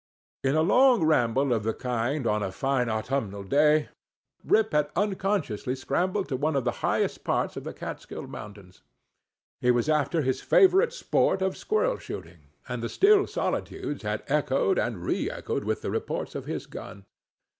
In a long ramble of the kind on a fine autumnal day, Rip had unconsciously scrambled to one of the highest parts of the Kaatskill mountains. He was after his favorite sport of squirrel shooting, and the still solitudes had echoed and re echoed with the reports of his gun.